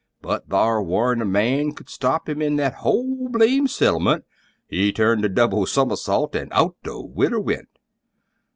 But thar' warn't a man could stop him in that whole blame settlement. He turned a double summersault an' out the winder went!